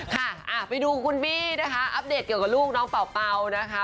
ค่ะไปดูคุณบี้นะคะอัปเดตเกี่ยวกับลูกน้องเป่านะคะ